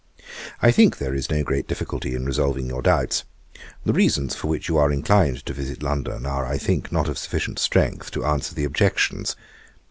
'I think there is no great difficulty in resolving your doubts. The reasons for which you are inclined to visit London, are, I think, not of sufficient strength to answer the objections.